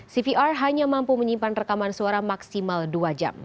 cvr hanya mampu menyimpan rekaman suara maksimal dua jam